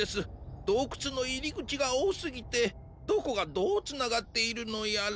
どうくつのいりぐちがおおすぎてどこがどうつながっているのやら。